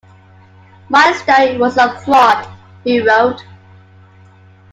"My story was a fraud," he wrote.